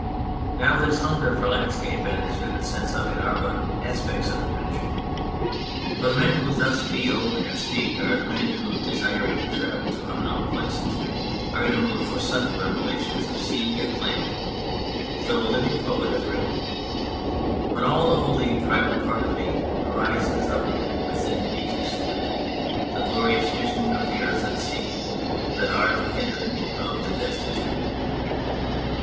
Now this hunger for Landscape and this vivid sense of it are but aspects of Adventure ; for the men who thus feel and 144 On Milton speak are the men who, desiring to travel to unknown places, are in a mood for sudden revela tions of sea and land. So a living poet has written When all the holy primal part of me Arises up within me to salute The glorious vision of the earth and sea That are the kindred of the destitute